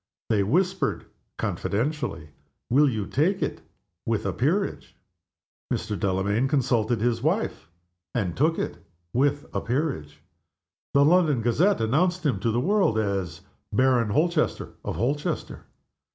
They whispered confidentially, "Will you take it with a peerage?" Mr. Delamayn consulted his wife, and took it with a peerage. The London Gazette announced him to the world as Baron Holchester of Holchester.